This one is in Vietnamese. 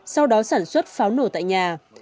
sau đó sản xuất pháo nổ tại nhà